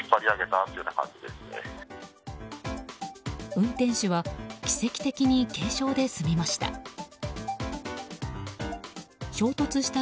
運転手は奇跡的に軽傷で済みました。